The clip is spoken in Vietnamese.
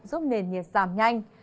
giúp nền nhiệt giảm nhanh